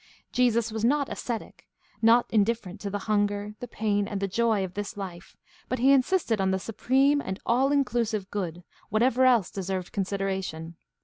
Jesus was not ascetic, not indifferent to the hunger, the pain, and the joy of this Hfe; but he insisted on the supreme and all inclusive good, what ever else deserved consideration.